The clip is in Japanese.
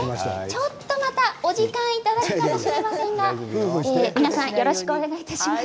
ちょっとお時間いただくかもしれませんが皆さんよろしくお願いします。